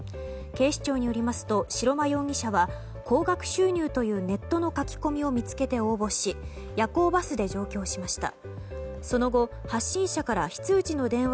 警視庁によりますと白間容疑者は高額収入という、ネットの書き込みを見つけて応募し夜行バスで上京しました。